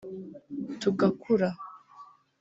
tugakura